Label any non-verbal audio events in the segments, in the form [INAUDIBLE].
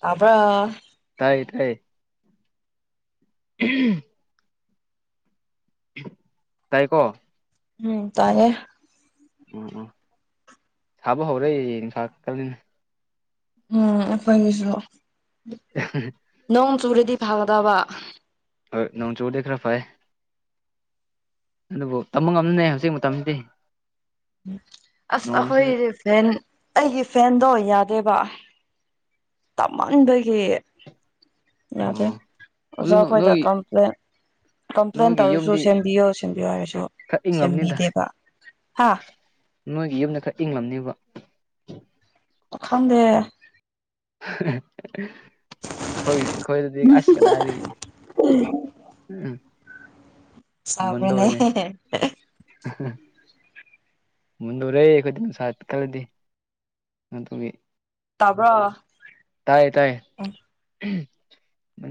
ꯇꯥꯕꯔ [UNINTELLIGIBLE] ꯇꯥꯏꯌꯦ ꯇꯥꯏꯌꯦ ꯇꯥꯏ ꯀꯣ ꯎꯝ ꯇꯥꯔꯦ ꯎꯝ ꯎꯝ ꯁꯥꯕ ꯍꯧꯔꯦ ꯅꯨꯡꯁꯥꯇꯅꯤꯅ ꯎꯝ ꯑꯩꯈꯣꯏꯒꯤꯁꯨ [UNINTELLIGIBLE] ꯅꯣꯡ ꯆꯨꯨꯔꯗꯤ ꯐꯒꯗꯕ ꯍꯣꯏ ꯅꯣꯡ ꯆꯨꯗꯤ ꯈꯔ ꯐꯩ ꯑꯗꯨꯕꯨ ꯇꯝꯕ ꯉꯝꯅꯅꯦ ꯍꯧꯖꯤꯛ ꯃꯇꯝꯁꯤꯗꯤ ꯑꯁ ꯅꯣꯡꯁꯤ ꯑꯩꯈꯣꯏꯗꯤ ꯐꯦꯟ ꯑꯩꯒꯤ ꯐꯦꯟꯗꯣ ꯌꯥꯗꯦꯕ ꯇꯞꯃꯟꯕꯒꯤ ꯌꯥꯁꯦ ꯑꯣ ꯑꯗꯨ ꯑꯣꯖꯥꯈꯣꯏꯗ ꯅꯣꯏ ꯀꯝꯄ꯭ꯂꯦꯟ ꯀꯝꯄ꯭ꯂꯦꯟ ꯅꯣꯏꯒꯤ ꯇꯧꯔꯁꯨ ꯌꯨꯝꯗꯤ ꯁꯦꯝꯕꯤꯌꯣ ꯁꯦꯝꯕꯤꯌꯣ ꯍꯥꯏꯔꯁꯨ ꯈꯔ ꯏꯪꯂꯝꯅꯤꯗ ꯁꯦꯝꯕꯤꯗꯦꯕ ꯍꯥ ꯅꯣꯏꯒꯤ ꯌꯨꯝꯗ ꯈꯔ ꯏꯪꯂꯡꯂꯝꯅꯦꯕ ꯈꯪꯗꯦ ꯍꯣꯏ ꯍꯣꯏꯗꯤ ꯑꯁ ꯀꯗꯥꯏꯗꯒꯤ [UNINTELLIGIBLE] ꯃꯨꯟꯗꯧꯔꯦꯅꯦ ꯁꯥꯕꯔꯅꯦ [INAUDIBLE] ꯃꯨꯟꯗꯔꯦ ꯑꯩꯈꯣꯏꯗ ꯅꯨꯡꯁꯥ ꯄꯤ ꯈꯂꯗꯤ ꯑꯗꯨꯒꯤ ꯇꯥꯕ꯭ꯔꯣ ꯇꯥꯏꯌꯦ ꯇꯥꯏꯌꯦ ꯎꯝ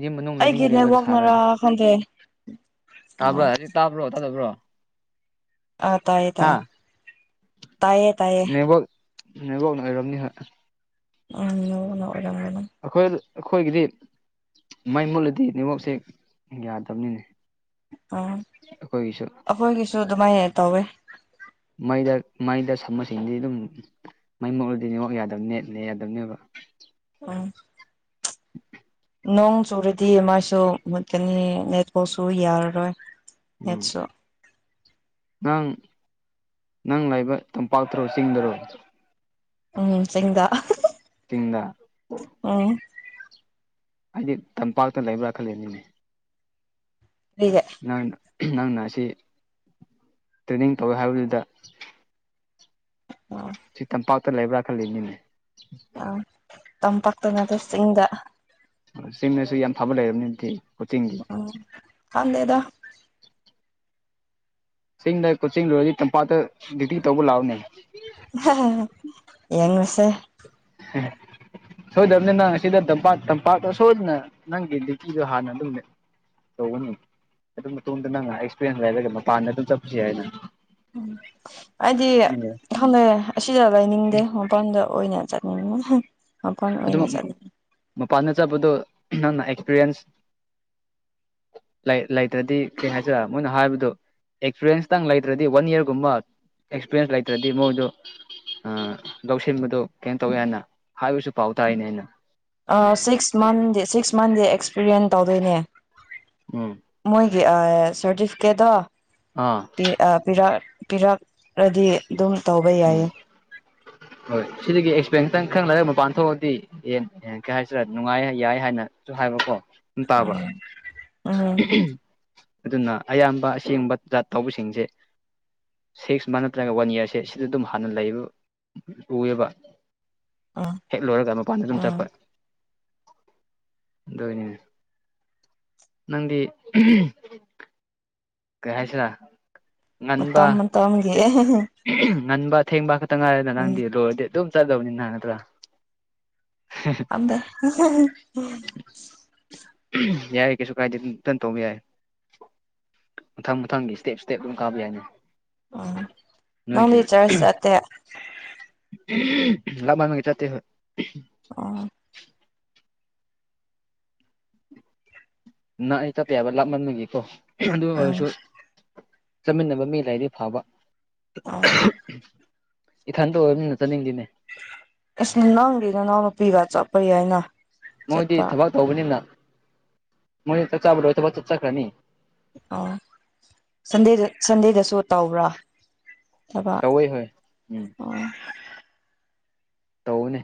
ꯃ ꯃꯅꯨꯡ ꯂꯩꯅꯤꯡꯗ ꯂꯩꯕꯗ ꯁꯥꯔꯑꯗꯤ ꯐꯪꯦ ꯇꯥꯕ꯭ꯔꯥ ꯍꯥꯏꯗꯤ ꯇꯥꯕ꯭ꯔꯣ ꯇꯥꯗꯕ꯭ꯔꯣ ꯑ ꯇꯥꯏ ꯇ ꯍꯥ ꯇꯥꯏꯌꯦ ꯇꯥꯏꯌꯦ ꯅꯣꯏꯕꯣꯛꯅ ꯑꯣꯏꯔꯔꯕꯝꯅꯤ ꯍꯣꯏ ꯑꯗꯥꯉꯥꯏꯝ ꯑꯩꯈꯣꯏ ꯑꯩꯈꯣꯏꯒꯤꯗꯤ ꯃꯥꯏ ꯃꯨꯠꯂꯗꯤ ꯅꯦꯋꯥꯛꯁꯦ ꯌꯥꯗꯕꯅꯤꯅꯦ ꯎꯥ ꯑꯩꯈꯣꯏꯒꯤꯁꯨ ꯑꯗꯨꯃꯥꯏꯅ ꯇꯧꯋꯦ ꯃꯩꯗ ꯃꯩꯗ ꯁꯝꯕꯁꯤꯡꯗꯤ ꯑꯗꯨꯝ ꯃꯩ ꯃꯛꯂꯨꯗꯤꯅꯦꯉ ꯌꯥꯗꯕꯅꯦꯅꯦ ꯌꯥꯗꯕꯅꯦꯕ ꯎꯝ ꯅꯣꯡ ꯆꯨꯨꯔꯗꯤ ꯃꯥꯏꯁꯨ ꯃꯨꯠꯀꯅꯤ ꯅꯦꯠꯐꯥꯎꯁꯨ ꯌꯥꯔꯔꯣꯏ ꯎꯝ ꯅꯦꯠꯁꯨ ꯅꯪ ꯅꯪ ꯂꯥꯏꯕ ꯇꯝꯄꯥꯛꯇꯔꯣ ꯆꯤꯡꯗꯔꯣ ꯎꯝ ꯆꯗ ꯇꯗ ꯑꯥ ꯍꯥꯏꯗꯤ ꯇꯝꯄꯥꯛꯇ ꯂꯩꯕ꯭ꯔꯥ ꯈꯜꯂꯤꯦꯅꯤꯅꯦ ꯑꯩꯒꯦ ꯅꯪ ꯅꯪꯅ ꯑꯁꯤ ꯇ꯭ꯔꯦꯅꯤꯡ ꯇꯧꯋꯦ ꯍꯥꯏꯕꯗꯨꯗ ꯑꯣ ꯁꯤ ꯇꯝꯄꯥꯛꯇ ꯂꯩꯕ꯭ꯔꯥ ꯈꯜꯂꯤ ꯃꯤꯅꯦ ꯑ ꯇꯝꯄꯥꯛꯇ ꯅꯠꯇ ꯆꯤꯡꯗ ꯁꯤꯝꯅꯁꯨ ꯌꯥꯝ ꯐꯕ ꯂꯩꯔꯕꯅꯤꯗꯤ ꯀꯣꯆꯤꯡꯒꯤ ꯎꯝ ꯈꯪꯗꯦꯗ ꯆꯤꯡꯗ ꯀꯣꯆꯤꯡ ꯂꯣꯏꯔꯗꯤ ꯇꯝꯄꯥꯛꯇ ꯗꯤꯇꯤ ꯇꯧꯕ ꯂꯥꯛꯑꯣꯅꯦ ꯌꯦꯡꯉꯣꯁꯦ ꯎ ꯁꯣꯏꯗꯕꯅꯤꯅ ꯅꯪ ꯑꯁꯤꯗ ꯇꯝꯄꯥꯛ ꯇꯝꯄꯥꯛꯇ ꯁꯣꯏꯗꯅ ꯅꯪꯒꯤ ꯗ꯭ꯌꯨꯇꯤꯁꯨ ꯍꯥꯟꯅ ꯑꯗꯨꯝ ꯂꯩ ꯇꯧꯒꯅꯤ ꯑꯗꯨ ꯃꯇꯨꯡꯗ ꯅꯪ ꯑꯦꯛꯁꯄꯤꯔꯤꯌꯦꯦꯟꯁ ꯂꯩꯔꯒ ꯃꯄꯥꯟꯗ ꯑꯗꯨꯝ ꯆꯠꯄꯁꯤ ꯍꯥꯏꯅꯪ ꯎꯝ ꯑꯩꯗꯤ ꯍꯟꯗꯛ ꯑꯁꯤꯗ ꯂꯩꯅꯤꯡꯗꯦ ꯃꯄꯟꯗ ꯑꯣꯏꯅ ꯆꯠꯅꯤꯡ ꯃꯄꯜ ꯑꯗꯨꯝ ꯑꯣꯏꯅ ꯆꯠꯅꯤꯡ ꯃꯄꯥꯟꯗ ꯆꯠꯄꯗꯣ ꯅꯪꯅ ꯑꯦꯛꯁꯄꯤꯔꯤꯌꯦꯟꯁ ꯂꯩ ꯂꯩꯇ꯭ꯔꯗꯤ ꯀꯩ ꯍꯥꯏꯖꯔ ꯃꯣꯏꯅ ꯍꯥꯏꯕꯗꯨ ꯑꯦꯛꯁꯄꯤꯔꯌꯦꯟꯁꯇꯪ ꯂꯩꯇ꯭ꯔꯗꯤ ꯋꯥꯟ ꯏꯌꯥꯔꯒꯨꯝꯕ ꯑꯦꯛꯁꯄꯤꯔꯟꯁ ꯂꯩꯇ꯭ꯔꯗꯤ ꯃꯣꯏꯗꯨ ꯑ ꯂꯧꯁꯤꯟꯕꯗꯣ ꯀꯩꯅꯣ ꯇꯧꯋꯤ ꯍꯥꯏꯅ ꯍꯥꯏꯕꯁꯨ ꯄꯥꯎ ꯇꯥꯏꯅꯦ ꯑꯩꯅ ꯁꯤꯛꯁ ꯃꯟꯦ ꯁꯤꯛꯁ ꯃꯟꯦ ꯑꯦꯛꯁꯄꯤꯔꯤꯌꯦꯟ ꯇꯧꯗꯣꯏꯅꯦ ꯎꯝ ꯃꯣꯏꯒꯤ ꯁꯔꯇꯤꯐꯤꯀꯦꯠꯇꯣ ꯑꯥ ꯤꯔꯛ ꯄꯤꯔꯛꯑꯗꯤ ꯑꯗꯨꯝ ꯇꯧꯕ ꯎꯝ ꯌꯥꯏꯌꯦ ꯍꯣꯏ ꯁꯤꯗꯒꯤ ꯑꯦꯛꯁꯄꯔꯦꯟꯁꯇꯪ ꯈꯪꯅꯔꯒ ꯃꯄꯥꯟ ꯊꯣꯛꯑꯗꯤ ꯑꯦꯟ ꯀꯩ ꯍꯥꯏꯁꯤꯔ ꯅꯨꯡꯉꯥꯏ ꯌꯥꯏ ꯍꯥꯏꯅꯁꯨ ꯍꯥꯏꯕꯀꯣ ꯇꯥꯕ ꯎꯝ ꯑꯗꯨꯅ ꯑꯌꯥꯝꯕ ꯑꯁꯦꯡꯕ ꯖꯥꯠ ꯇꯧꯕꯁꯤꯡꯁꯦ ꯁꯤꯛꯁ ꯃꯥ ꯅꯠꯇ꯭ꯔꯒ ꯋꯥꯟ ꯏꯌꯥꯔꯁꯦ ꯁꯤꯗ ꯑꯗꯨꯝ ꯍꯥꯟꯅ ꯂꯩꯕ ꯎꯑꯦꯕ ꯎꯝ ꯍꯦꯛ ꯂꯣꯏꯔꯒ ꯃꯄꯥꯟꯗ ꯑꯗꯨꯝ ꯎꯝ ꯆꯠꯄ ꯗꯣꯏꯅꯤꯅꯦ ꯅꯪꯗꯤ ꯀꯩ ꯍꯥꯏꯁꯤꯔꯥ ꯉꯟꯕ ꯃꯝ ꯃꯇꯝꯝꯒꯤ ꯉꯟꯕ ꯊꯦꯡꯕ ꯈꯛꯇ ꯉꯥꯏꯔꯦꯗ ꯅꯪꯗꯤ ꯂꯣꯏꯔꯗꯤ ꯑꯗꯨꯝ ꯆꯠꯂꯕꯅꯤꯅꯍ ꯅꯠꯇ꯭ꯔꯥ ꯑꯗ ꯌꯥꯏ ꯀꯩꯁꯨ ꯀꯥꯏꯗꯦ ꯏꯇꯟ ꯇꯧꯕꯧꯕ ꯌꯥꯏ ꯃꯊꯪ ꯃꯊꯪꯒꯤ ꯏꯁꯇꯦꯞ ꯏꯁꯇꯦꯞ ꯑꯗꯨꯝ ꯀꯥꯕ ꯌꯥꯏꯅꯤ ꯎꯝ ꯅꯪꯗꯤ ꯅꯣꯏꯒꯤ ꯆꯔꯁ ꯆꯠꯇꯦ ꯂꯕꯥ ꯃꯒꯤ ꯆ ꯍ ꯑꯣ ꯅꯪ ꯑꯩ ꯇꯞꯄ ꯍꯥꯏꯕ ꯂꯥꯞꯃꯟꯕꯒꯤꯀꯣ ꯑꯗꯨ ꯎꯝ ꯑꯣꯏꯁꯨ ꯆꯠꯃꯤꯟꯅꯕ ꯃꯤ ꯂꯥꯏꯔꯗꯤ ꯐꯕ ꯑꯣ ꯏꯊꯟꯇ ꯑꯣꯏꯕꯅꯤꯅ ꯆꯠꯅꯤꯡꯤꯅꯦ ꯏꯁ ꯅꯪꯗꯅ ꯅꯪꯅ ꯄꯤꯕ ꯆꯠꯄꯔꯤ ꯍꯥꯏꯅ ꯃꯣꯏꯗꯤ ꯊꯕꯛ ꯇꯧꯕꯅꯤꯅ ꯃꯣꯏ ꯆꯥꯛ ꯆꯥꯕꯗꯣꯏ ꯊꯕꯛ ꯆꯠ ꯆꯈ꯭ꯔꯅꯤ ꯑꯣ ꯁꯟꯗꯦꯗ ꯁꯟꯗꯦꯗꯁꯨ ꯇꯧꯕ꯭ꯔꯥ ꯊꯕꯛ ꯇꯧꯏ ꯍꯣꯏ ꯎꯝ ꯑꯣ ꯇꯧꯅꯦ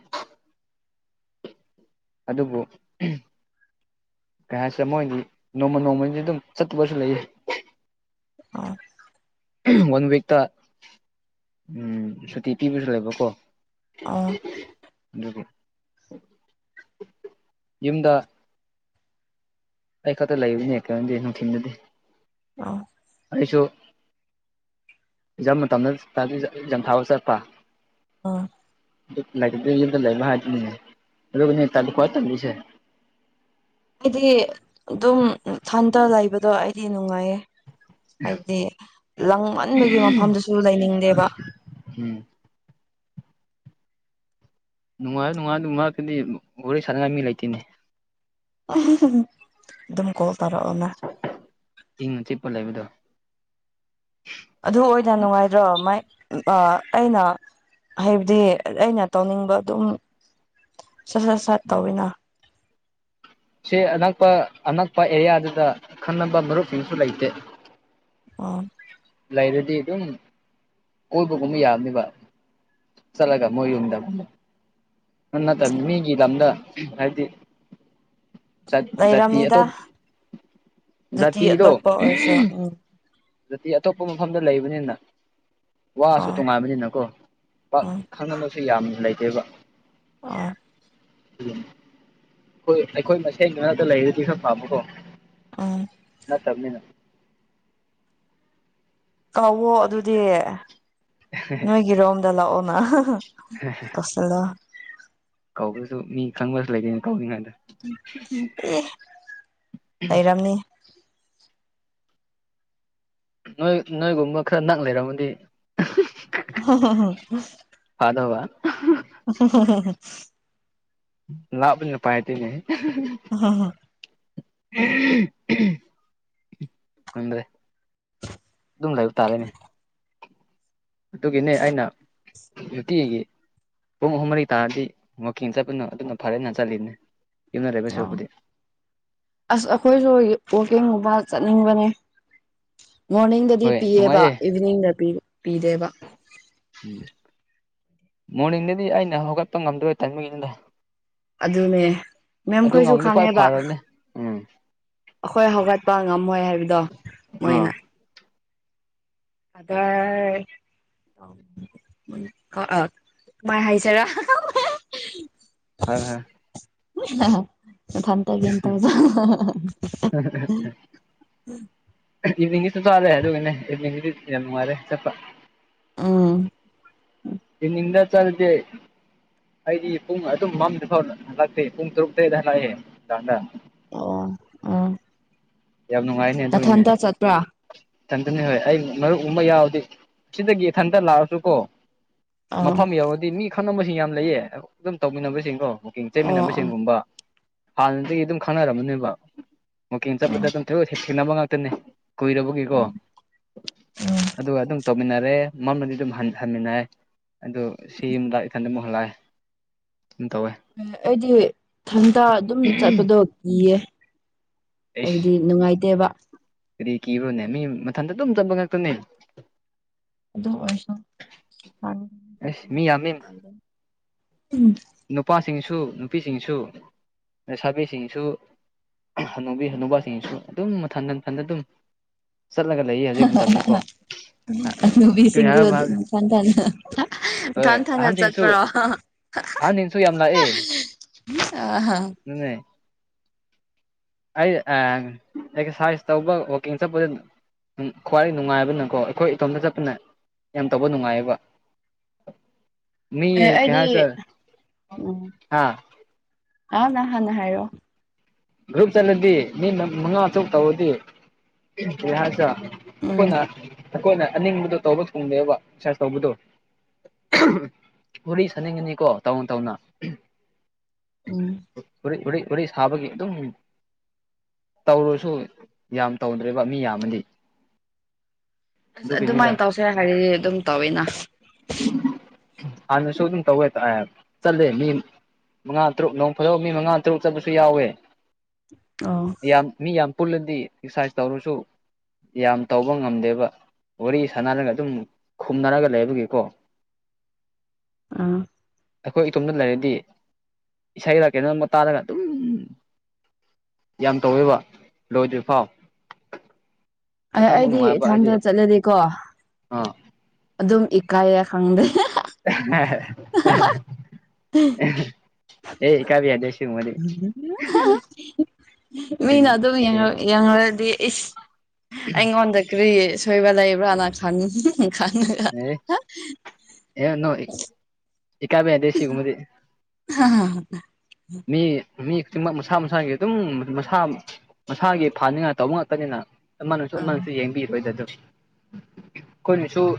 ꯑꯗꯨꯕꯨ ꯀꯩ ꯍꯥꯏꯁꯤ ꯃꯣꯏꯗꯤ ꯅꯣꯡꯃ ꯅꯣꯡꯃꯒꯤꯗꯤ ꯑꯗꯨꯝ ꯆꯠꯇꯨꯕꯁꯨ ꯂꯩꯌꯦ ꯎ ꯋꯥꯟ ꯋꯤꯛꯇ ꯎꯝ ꯁꯨꯇꯤ ꯄꯤꯕꯁꯨ ꯂꯩꯕꯀꯣ ꯑꯣ ꯑꯗꯨꯒꯤ ꯌꯨꯝꯗ ꯑꯩ ꯈꯛꯇ ꯂꯩꯕꯅꯦ ꯀꯩꯅꯣꯗꯤ ꯅꯨꯡꯊꯤꯤꯟꯗꯗꯤ ꯑꯩꯁꯨ ꯏꯝ ꯃꯇꯝꯗ ꯌꯥꯝꯊꯥꯕ ꯆꯠꯄ ꯑꯣ ꯂꯩ ꯇꯥꯨ ꯈ ꯆꯁꯦ ꯑꯩꯗꯤ ꯑꯗꯨꯝ ꯍꯟꯇ ꯂꯩꯕꯗꯣ ꯑꯩꯗꯤ ꯅꯨꯡꯉꯥꯏꯌꯦ ꯍꯥꯏꯕꯗꯤ ꯂꯪꯃꯟꯕꯒꯤ ꯃꯐꯝꯗꯨꯁꯨ ꯂꯩꯅꯤꯡꯗꯦꯕ ꯎꯝ ꯅꯨꯡꯉꯥꯏ ꯅꯨꯡꯉꯥꯏꯗꯕ ꯉꯥꯛꯇꯗꯤ ꯋꯥꯔꯤꯣꯔꯣꯏ ꯁꯥꯟꯅꯉꯥꯏ ꯃꯤ ꯂꯩꯇꯦꯅꯤ ꯑꯗꯨ ꯑꯗꯨꯝ ꯀꯣꯜ ꯎ ꯇꯔꯛꯅ ꯏꯪꯅ ꯆꯤꯞꯄ ꯂꯩꯕꯗꯣ ꯑꯗꯨ ꯑꯣꯏꯅ ꯅꯨꯡꯉꯥꯏꯗ꯭ꯔꯣ ꯃꯥꯏ ꯑꯩꯅ ꯍꯥꯏꯕꯗꯤ ꯑꯩꯅ ꯇꯧꯅꯤꯡꯕ ꯑꯗꯨꯝ ꯁꯠ ꯁꯠ ꯁꯠ ꯇꯧꯋꯤꯅ ꯁꯤ ꯑꯅꯛꯄ ꯑꯅꯛꯄ ꯑꯦꯔꯤꯌꯥꯗꯨꯗ ꯈꯪꯅꯕ ꯃꯔꯨꯞꯁꯤꯡꯁꯨ ꯂꯩꯇꯦ ꯑꯣ ꯂꯩꯔꯗꯤ ꯑꯗꯨꯝ ꯀꯣꯏꯕꯒꯨꯝꯕ ꯌꯥꯕꯅꯦꯕ ꯆꯠꯂꯒ ꯃꯣꯏ ꯎꯗ ꯅ ꯇ ꯃꯤꯒꯤ ꯂꯝꯗ ꯍꯥꯏꯗꯤ ꯖꯥꯇꯤ ꯂꯩꯔꯝꯅꯤꯗ ꯑꯇꯣꯞ ꯑꯗꯨꯗꯤ ꯖꯥꯇꯤꯗꯣ ꯑꯇꯣꯞꯄ ꯑꯣꯏꯔꯁꯨ ꯎꯝ ꯇꯤ ꯑꯇꯣꯞꯄ ꯃꯐꯝꯗ ꯂꯩꯕꯅꯤꯅ ꯋꯥꯁꯨ ꯑꯣ ꯇꯣꯉꯥꯏꯕꯅꯤꯅꯀꯣ ꯎꯝ ꯈꯪꯅꯕꯁꯨ ꯌꯥꯝ ꯂꯩꯇꯦꯕ ꯑꯣ ꯑꯩꯈꯣꯏ ꯑꯩꯈꯣꯏ ꯃꯁꯦꯟꯗꯨꯅꯗ ꯂꯩꯔꯗꯤ ꯈꯔ ꯄꯥꯝꯕꯀꯣ ꯑ ꯅ ꯊꯝꯅꯤ ꯅ ꯀꯥꯎꯋꯣ ꯑꯗꯨꯗꯤ ꯅꯣꯏꯒꯤꯔꯣꯝꯗ ꯂꯥꯛꯑꯣꯅ ꯀꯧꯁꯜꯂꯣ ꯀꯧꯕꯁꯨ ꯃꯤ ꯈꯪꯕꯁꯨ ꯂꯩꯇꯦꯅꯦ ꯀꯧꯏꯉꯩꯗ ꯑꯦ ꯂꯩꯔꯝꯅꯤ ꯅꯣꯏ ꯅꯣꯏꯒꯨꯝꯕ ꯈꯔ ꯅꯛ ꯂꯩꯔꯝꯃꯗꯤ ꯍ ꯍ ꯍ ꯄꯥꯗ ꯋꯥ ꯍ ꯍ ꯍ ꯍ ꯂꯥꯛ ꯄꯥꯏꯇꯅꯦ ꯍꯝ ꯍ ꯈꯪꯗꯦ ꯑꯗꯨꯝ ꯂꯩꯕ ꯇꯥꯔꯦꯅꯦ ꯑꯗꯨꯒꯤꯅꯦ ꯑꯩꯅ ꯇꯤꯒꯤ ꯄꯨꯡ ꯑꯍꯨꯝ ꯃꯔꯤ ꯇꯥꯔꯗꯤ ꯋꯀꯤꯡ ꯆꯠꯄꯅꯣ ꯑꯗꯨꯅ ꯐꯔꯦꯟꯅ ꯆꯠꯂꯤꯅꯦ ꯌꯨꯝꯅ ꯂꯩꯕ ꯑꯥ ꯁꯔꯨꯛꯄꯨꯗꯤ ꯑꯁ ꯑꯩꯈꯣꯏꯁꯨ ꯋꯥꯛꯀꯤꯡꯒꯨꯝꯕ ꯆꯠꯅꯤꯡꯕꯅꯦ ꯃꯣꯔꯅꯤꯡꯗꯗꯤ ꯍꯣꯏ ꯄꯤꯌꯦꯕ ꯅꯨꯡꯉꯥꯏꯌꯦ ꯏꯚꯤꯅꯤꯡꯗ ꯄꯤꯗꯦꯕ ꯎꯝ ꯃꯣꯔꯅꯤꯡꯗꯗꯤ ꯑꯩꯅ ꯍꯧꯒꯠꯄ ꯉꯝꯗꯣꯏ ꯇꯟꯃꯤꯉꯗꯨꯗ ꯑꯗꯨꯅꯦ ꯃꯦꯝꯈꯣꯏꯁꯨ ꯉꯝꯃꯗꯤ ꯈ꯭ꯋꯥꯏ ꯈꯪꯉꯦꯕ ꯐꯔꯕꯅꯦ ꯎꯝ ꯑꯩꯈꯣꯏ ꯍꯧꯒꯠꯄ ꯉꯝꯃꯣꯏ ꯍꯥꯏꯕꯗꯣ ꯑꯥ ꯃꯣꯏꯅ ꯑꯗ ꯃꯥꯏ ꯍꯁꯔ ꯍꯣꯏ ꯍꯣꯏ ꯐ ꯇꯒꯤꯦ ꯇꯖ ꯏꯚꯅꯤꯡꯒꯤꯁꯨ ꯆꯂꯦ ꯑꯗꯨ ꯏꯚꯅꯤꯡꯗꯤ ꯌꯥꯝꯅꯨꯡꯉꯔꯦ ꯆꯠꯄ ꯎꯝ ꯏꯅꯤꯗ ꯆꯜꯗꯦ ꯑꯩꯗꯤ ꯄꯨꯡ ꯑꯗꯨꯝ ꯃꯝꯗ ꯐꯥꯎ ꯂꯥꯛꯇꯦ ꯄꯨꯡ ꯇꯔꯨꯛꯇ ꯍꯗ ꯍꯂꯥꯛꯑꯦ ꯍꯥꯡꯗ ꯑꯣ ꯎ ꯌꯥꯝ ꯅꯨꯡꯉꯥꯏꯅꯦ ꯑꯗꯨꯏꯅꯦ ꯆꯠꯄ꯭ꯔꯥ ꯏꯊꯟꯇꯅꯤ ꯍꯣꯏ ꯑꯩ ꯃꯔꯨꯞ ꯎꯨꯝꯕ ꯌꯥꯎꯗꯦ ꯁꯤꯗꯒꯤ ꯏꯊꯟꯇ ꯂꯥꯛꯑꯁꯨ ꯀꯣ ꯑꯥ ꯃꯐꯝ ꯌꯧꯔꯗꯤ ꯃꯤ ꯈꯟꯅꯕꯁꯤꯡ ꯌꯥꯝ ꯂꯩꯌꯦ ꯑꯗꯨꯝ ꯇꯧꯃꯤꯟꯅꯕꯁꯤꯡꯀꯣ ꯑꯣ ꯑꯣ ꯆꯠꯃꯤꯟꯅꯕꯁꯒꯨꯝꯕ ꯍꯥꯟꯅꯗꯒꯤ ꯑꯗꯨꯝ ꯈꯪꯅꯔꯝꯃꯅꯦꯕ ꯑꯣ ꯆꯠꯄꯗ ꯑꯗꯨꯝ ꯊꯗꯣꯛ ꯊꯦꯡꯅꯕ ꯉꯥꯛꯇꯅꯦ ꯀꯨꯏꯔꯕꯒꯤꯀꯣ ꯑꯣ ꯎꯝ ꯑꯗꯨꯒ ꯑꯗꯨꯝ ꯇꯧꯃꯤꯟꯅꯔꯦ ꯃꯔꯝꯗꯗꯤ ꯑꯗꯨꯝ ꯍꯟꯃꯤꯟꯅꯦ ꯑꯗꯨ ꯁꯤ ꯑꯃꯗ ꯏꯊꯟꯗ ꯑꯃꯨꯛ ꯍꯜꯂꯛꯑꯦ ꯑꯗꯨ ꯇꯧꯋꯦ ꯑꯩꯗꯤ ꯏꯊꯟꯇ ꯑꯗꯨꯝ ꯆꯠꯄꯗꯣ ꯀꯤꯌꯦ ꯑꯩꯁ ꯍꯥꯏꯕꯗꯤ ꯅꯨꯡꯉꯥꯏꯇꯦꯕ ꯀꯔꯤ ꯀꯤꯕ꯭ꯔꯣꯅꯦ ꯃꯤ ꯃꯊꯟꯇ ꯑꯗꯨꯝ ꯆꯦꯟꯕ ꯉꯥꯛꯇꯅꯦ ꯑꯗꯨ ꯑꯣꯏꯁꯨ ꯑꯦꯁ ꯃꯤ ꯌꯥꯝꯃꯤ ꯎꯝ ꯅꯨꯄꯥꯁꯤꯡꯁꯨ ꯅꯨꯄꯤꯁꯤꯡꯁꯨ ꯂꯩꯁꯥꯕꯤꯁꯤꯡꯁꯨ ꯍꯅꯨꯕꯤ ꯍꯅꯨꯕꯁꯤꯡꯁꯨ ꯑꯗꯨꯝ ꯃꯊꯟ ꯃꯊꯟꯗ ꯑꯗꯨꯝ ꯆꯠꯂꯒ ꯂꯩꯌꯦ ꯍꯧꯖꯤꯛ ꯃꯇꯝꯅꯤꯀꯣ ꯀꯔꯤ ꯍꯥꯏ ꯍꯥꯏꯒꯦ ꯃꯊꯟꯇꯥ ꯏ ꯊꯟ ꯊꯟꯇ ꯑꯍꯟꯁꯤꯡꯁꯨ ꯆꯠꯄ꯭ꯔꯣ ꯑꯍꯟꯁꯤꯡꯁꯨ ꯌꯥꯝ ꯑ ꯍ ꯎꯝ ꯑꯩ ꯑꯦꯛꯁꯔꯁꯥꯏ ꯇꯧꯕꯁ ꯎꯝ ꯈ꯭ꯋꯥꯏ ꯅꯨꯡꯉꯥꯏꯕꯅꯀꯣ ꯑꯩꯈꯣꯏ ꯏꯇꯣꯝꯇ ꯆꯠꯄꯅ ꯌꯥꯝ ꯇꯧꯕ ꯅꯨꯡꯉꯥꯏꯌꯦꯕ [INAUDIBLE] ꯃꯤ ꯑꯦ ꯀꯩ ꯑꯩꯗꯤ ꯍꯥꯏꯁꯤꯔ ꯎꯝ ꯍꯥ ꯑ ꯅꯥꯅ ꯍꯥꯟꯅ ꯍꯥꯏꯔꯛꯑꯣ ꯒ꯭ꯔꯨꯞ ꯆꯠꯂꯗꯤ ꯃꯤ ꯃꯉꯥ ꯑꯁꯨꯛ ꯇꯧꯔꯗꯤ ꯀ ꯍꯥꯏꯁ ꯎꯝ ꯑꯩꯈꯣꯏꯅ ꯑꯩꯈꯣꯏꯅ ꯑꯅꯤꯡꯕꯗꯣ ꯇꯧꯕ ꯊꯨꯡꯗꯦꯕ ꯑꯦꯛꯁꯥꯏ ꯇꯧꯕꯗꯣ ꯋꯥꯔꯤ ꯁꯥꯅꯤꯡꯉꯅꯤꯀꯣ ꯇꯧꯅ ꯇꯧꯅ ꯎꯝ ꯋꯥꯔ ꯋꯥꯔꯤ ꯋꯥꯔꯤ ꯁꯥꯕꯒꯤ ꯑꯗꯨꯝ ꯇꯧꯔꯁꯨ ꯌꯥꯝ ꯇꯧꯗ꯭ꯔꯦꯕ ꯃꯤ ꯌꯥꯝꯃꯗꯤ ꯑꯁ ꯑꯗꯨꯒꯤꯅꯤꯗ ꯑꯗꯨꯃꯥꯏꯅ ꯇꯧꯁꯦ ꯍꯥꯏꯔꯤꯗꯤ ꯑꯗꯨꯝ ꯇꯧꯋꯤꯅ ꯍꯥꯟꯅꯥꯁꯨ ꯑꯗꯨꯝ ꯇꯧꯋꯦ ꯆꯜꯂꯦ ꯃꯤ ꯃꯉꯥ ꯇꯔꯨꯛ ꯅꯣꯡ ꯐꯗꯣꯕ ꯃꯤ ꯃꯉꯥ ꯇꯔꯨꯛ ꯆꯠꯄꯁꯨ ꯌꯥꯎꯋꯦ ꯑꯣ ꯌꯥꯝ ꯃꯤ ꯌꯥꯝ ꯄꯨꯜꯂꯗꯤ ꯑꯦꯛꯁꯔꯁꯥꯏꯁ ꯇꯧꯔꯁꯨ ꯌꯥꯝ ꯇꯧꯕ ꯉꯝꯗꯦꯕ ꯋꯥꯔꯤ ꯁꯥꯟꯅꯔꯒ ꯑꯗꯨꯝ ꯈꯨꯝꯅꯔꯒ ꯂꯩꯕꯒꯤ ꯀꯣ [INAUDIBLE] ꯑꯥ ꯑꯩꯈꯣꯏ ꯏꯇꯣꯝꯇ ꯂꯩꯔꯗꯤ ꯏꯁꯩꯔ ꯀꯩꯅꯣꯝ ꯇꯥꯔꯒ ꯑꯗꯨꯝ ꯌꯥꯝ ꯇꯧꯋꯦꯕ ꯂꯣꯏꯗ꯭ꯔꯤ ꯐꯥꯎ ꯑ ꯑꯩꯗꯤ ꯅꯨꯡꯉꯥꯏꯕ ꯍꯥꯏꯗꯤ ꯏꯊꯟꯗ ꯆꯠꯂꯗꯤꯀꯣ ꯑꯥ ꯑꯗꯨꯝ ꯏꯀꯥꯏꯌꯦ ꯈꯪꯗꯦ [UNINTELLIGIBLE] ꯑꯦ ꯏꯀꯥꯏꯕ ꯌꯥꯗꯦ ꯁꯤꯒꯨꯝꯕꯗꯤ ꯃꯤꯅ ꯑꯦ ꯑꯗꯨꯝ ꯌꯦꯡꯉ ꯌꯦꯡꯉꯥꯔꯗꯤ ꯏꯁ ꯑꯩꯉꯣꯟꯗ ꯀꯔꯤ ꯁꯣꯏꯕ ꯂꯩꯕ꯭ꯔꯥꯅ ꯈꯟ ꯈꯟ ꯑꯦ ꯑꯦ ꯅꯣ ꯏꯀꯥꯏꯕ ꯌꯥꯗꯦ ꯁꯤꯒꯨꯝꯕꯗꯤ [UNINTELLIGIBLE] ꯃꯤ ꯃꯤ ꯈꯨꯗꯤꯡꯃꯛ ꯃꯁꯥ ꯃꯁꯥꯒꯤ ꯑꯗꯨꯝ ꯃꯁꯥ ꯃꯁꯥꯒꯤ ꯐꯥꯅꯤꯡꯉꯥꯏ ꯇꯧꯕ ꯉꯥꯛꯇꯅꯤꯅ ꯑꯃꯅꯁꯨ ꯑꯃꯅꯁꯨ ꯌꯦꯡꯕꯤꯔꯣꯏꯗ ꯑꯗꯨ ꯀꯣꯏꯅꯁꯨꯨ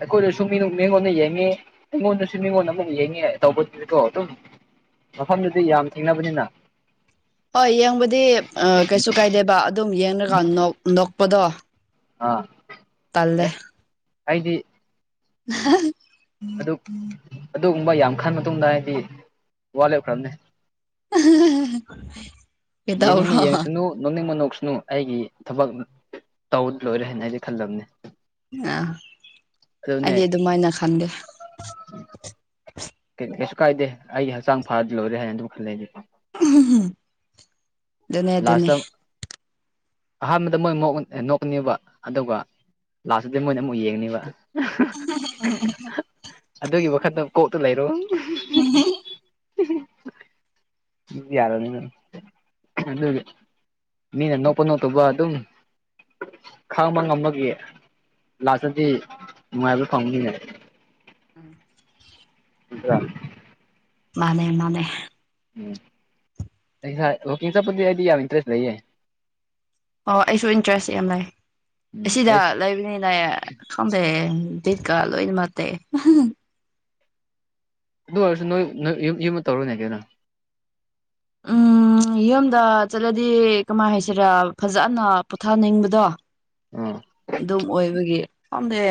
ꯑꯩꯈꯣꯏꯗꯁꯨ ꯃꯤꯉꯣꯟꯗ ꯌꯦꯡꯉꯦ ꯑꯩꯉꯣꯟꯗꯁꯨ ꯃꯤꯉꯣꯟꯗ ꯑꯃꯨꯛ ꯌꯦꯡꯉꯦ ꯇꯧꯕꯗꯨꯗꯤꯀꯣ ꯑꯗꯨꯝ ꯃꯐꯝꯗꯨꯗꯤ ꯌꯥꯝ ꯊꯦꯡꯅꯕꯅꯤꯅ ꯍꯣꯏ ꯌꯦꯡꯕꯗꯤ ꯑꯥ ꯀꯩꯁꯨ ꯀꯥꯏꯗꯦꯕ ꯑꯗꯨꯝ ꯌꯦꯡꯉꯀꯥꯟ ꯅꯣꯛꯄꯗꯣ ꯑꯥ ꯇꯜꯂꯦ ꯑꯦ ꯍꯥꯏꯗꯤ [UNINTELLIGIBLE] ꯑꯗꯨ ꯑꯗꯨꯒꯨꯝꯕ ꯌꯥꯝ ꯈꯟ ꯃꯇꯨꯡꯗ ꯍꯥꯏꯗꯤ ꯋꯥ ꯂꯦꯞꯈ꯭ꯔꯕꯅꯦ [UNINTELLIGIBLE] ꯌꯦꯡꯅꯤꯡꯕ ꯀꯩꯗꯧꯔꯣ ꯌꯦꯡꯁꯅꯨ ꯅꯣꯛꯅꯤꯡ ꯅꯣꯛꯁꯅꯨ ꯑꯩꯒꯤ ꯊꯕꯛ ꯇꯧ ꯂꯣꯏꯔꯦ ꯍꯥꯏꯅ ꯑꯩꯗꯤ ꯈꯜꯂꯝꯅꯦ ꯑꯥ ꯑꯗꯨꯅꯦ ꯑꯩꯗꯤ ꯑꯗꯨꯃꯥꯏꯅ ꯈꯟꯗꯦ ꯀꯩꯁꯨ ꯀꯥꯏꯗꯦ ꯑꯩꯒꯤ ꯍꯛꯆꯥꯡ ꯐꯥꯗꯤ ꯂꯣꯏꯔꯦ ꯍꯥꯏꯅ ꯑꯗꯨꯝ ꯈꯜꯂꯦ ꯑꯩꯗꯤ ꯑꯗꯨꯅꯦ ꯑꯗꯨꯅꯦ ꯂꯥꯁꯇ ꯑꯍꯥꯟꯕꯗ ꯃꯣꯏ ꯅꯣꯛꯀꯅꯦꯕ ꯑꯗꯨꯒ ꯂꯥꯁꯇꯗꯤ ꯃꯣꯏꯅ ꯑꯃꯨꯛ ꯌꯦꯡꯅꯤꯕ [UNINTELLIGIBLE] ꯑꯗꯨꯒꯤ ꯋꯥꯈꯟꯗ ꯀꯣꯛꯇꯨ ꯂꯩꯔꯣ [INAUDIBLE] ꯌꯥꯔꯥꯅꯤꯅ ꯑꯗꯨꯒꯤ ꯃꯤꯅ ꯅꯣꯛꯄ ꯅꯣꯛꯇꯕ ꯑꯗꯨꯝ ꯈꯪꯕ ꯉꯝꯕꯒꯤ ꯂꯥꯁꯇꯗꯤ ꯅꯨꯡꯉꯥꯏꯕ ꯐꯪꯅꯤꯅꯦ ꯎꯝ [INAUDIBLE] ꯅꯠꯇꯥꯔꯥ ꯃꯥꯅꯦ ꯃꯥꯅꯦ ꯎꯝ ꯑꯩ ꯏꯁꯥ ꯋꯥꯀꯤꯡ ꯆꯠꯄꯗꯤ ꯑꯩꯗꯤ ꯌꯥꯝ ꯏꯟꯇꯔꯦꯁ ꯂꯩꯌꯦ ꯑꯣ ꯑꯩꯁꯨ ꯏꯟꯇꯔꯦꯁ ꯌꯥꯝ ꯂꯩ ꯎꯝ ꯑꯁꯤꯗ ꯑꯩꯁ ꯂꯩꯕꯅꯤꯅ ꯈꯪꯗꯦ ꯗꯤꯠꯀꯥ ꯂꯣꯏꯅꯃꯛ ꯇꯦꯛꯑꯦ ꯑꯗꯨ ꯑꯣꯏꯔꯁꯨ ꯅꯣꯏ ꯅꯣꯏ ꯌꯨꯝ ꯌꯨꯝꯗ ꯇꯧꯔꯣꯅꯦ ꯀꯩꯅꯣ ꯎꯥꯝ ꯎꯝ ꯌꯨꯝꯗ ꯆꯠꯂꯗꯤ ꯀꯃꯥꯏꯅ ꯍꯥꯏꯁꯤꯔꯥ ꯐꯖꯅ ꯄꯣꯊꯥꯅꯤꯡꯕꯗꯣ ꯑꯥ ꯑꯗꯨꯝ ꯑꯣꯏꯕꯒꯤ ꯄꯝꯗꯦ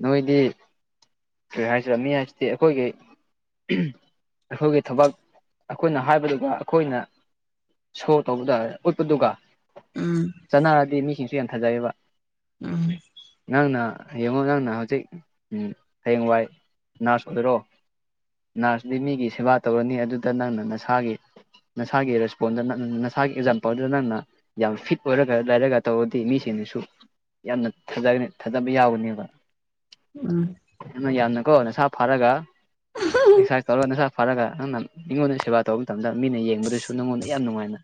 ꯅꯣꯏꯗꯤ ꯀꯔꯤ ꯍꯥꯏꯁꯤꯔꯤꯕ ꯃꯤ ꯍꯥꯏꯁꯤꯗꯤ ꯑꯩꯈꯣꯏꯒꯤ ꯑꯩꯈꯣꯏꯒꯤ ꯊꯕꯛ ꯑꯩꯈꯣꯏꯅ ꯍꯥꯏꯕꯗꯨꯒ ꯑꯩꯈꯣꯏꯅ ꯁꯣ ꯇꯧꯕ ꯇꯥꯔꯦ ꯎꯠꯄꯗꯨꯒ ꯎꯝ ꯆꯠꯅꯔꯗꯤ ꯃꯤꯁꯤꯡꯁꯨ ꯌꯥꯝꯊꯥꯖꯩꯑꯕ ꯎꯝ ꯑꯥꯡꯅ ꯌꯦꯌꯦꯡꯉꯣ ꯉꯥꯡꯅ ꯍꯧꯖꯤꯛ ꯍꯌꯦꯡꯋꯥꯏ ꯅꯔꯁ ꯑꯣꯏꯔꯣ ꯅꯔꯁꯗꯤ ꯃꯤꯒꯤ ꯁꯦꯕꯥ ꯇꯧꯔꯅꯤ ꯑꯗꯨꯗ ꯅꯪꯅ ꯅꯁꯥꯒꯤ ꯅꯁꯥꯒꯤ ꯔꯦꯁꯄꯣꯟꯗ ꯅ ꯅꯁꯥꯒꯤ ꯑꯦꯛꯖꯥꯝꯄꯜꯗꯨꯗ ꯅꯪꯅ ꯌꯥꯝ ꯐꯤꯠ ꯑꯣꯏꯔꯒ ꯂꯩꯔꯒ ꯇꯧꯔꯗꯤ ꯃꯤꯁꯤꯡꯗꯨꯁꯨ ꯌꯥꯝꯅ ꯊꯥꯖꯒꯅꯤ ꯊꯥꯗꯕ ꯌꯥꯎꯒꯅꯦꯕ ꯎꯝ ꯌꯥꯝꯅꯀꯣ ꯅꯁꯥ ꯐꯥꯔꯒ ꯑꯦꯛꯁꯔꯁꯥꯏꯁ ꯇꯧꯔꯒ ꯅꯁꯥ ꯐꯔꯒ ꯅꯪꯅ ꯃꯤꯉꯣꯟꯗ ꯁꯦꯕꯥ ꯇꯧꯕ ꯃꯇꯝꯗ ꯃꯤꯅ ꯌꯦꯡꯕꯗꯁꯨ ꯅꯪꯉꯣꯟꯗ ꯌꯥꯝ ꯅꯨꯡꯉꯥꯏꯅ